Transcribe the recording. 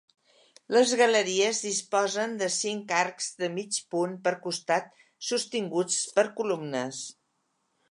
Les galeries disposen de cinc arcs de mig punt per costat sostinguts per columnes.